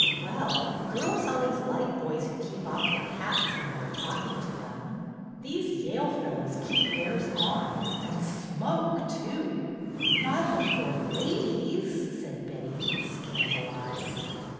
'' Well, girls always like boys who keep off their hats when they are talking to them." '' These Yale fellows keep theirs on and smoke too." Not before ladies !" said Betty, scandalized.